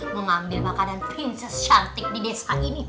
mengambil makanan princess shanty di desa ini